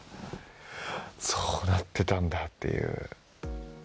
そうなってたんだっていう。